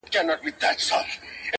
امر دی د پاک یزدان ګوره چي لا څه کیږي؛